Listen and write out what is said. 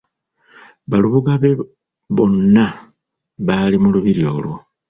Balubuga be bonna bali mu lubiri olwo.